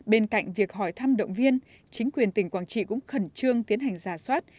bên cạnh việc hỏi thăm động viên chính quyền tỉnh quảng trị cũng khẩn trương tiến hành giả soát